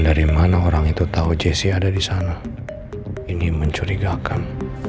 dari mana orang itu tahu jesse ada di sana ini mencurigakan